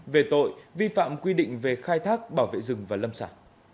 về tội vi phạm quy định về khai thác bảo vệ rừng và lâm sản